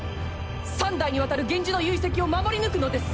三代にわたる源氏の遺跡を守り抜くのです。